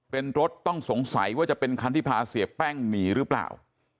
เป็นรถต้องสงสัยว่าจะเป็นคันที่พาเสียแป้งหนีหรือเปล่า